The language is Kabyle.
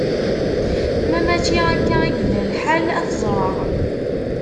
Ma mačči akka i yella lḥal, ad t-ẓreɣ.